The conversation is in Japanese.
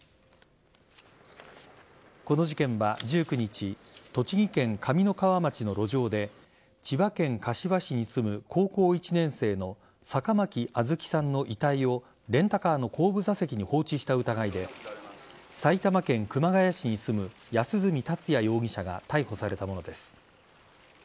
この事件は１９日栃木県上三川町の路上で千葉県柏市に住む高校１年生の坂巻杏月さんの遺体をレンタカーの後部座席に放置した疑いで埼玉県熊谷市に住む安栖達也容疑者が逮捕されたものです。